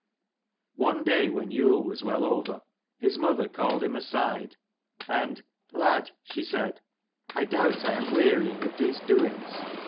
One day when Yule was well over, his mother called him aside and " Lad," she said, " I doubt I am wearying of these doings.